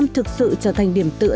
thực sự trở thành điểm tựa